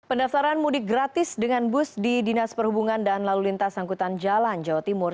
pendaftaran mudik gratis dengan bus di dinas perhubungan dan lalu lintas angkutan jalan jawa timur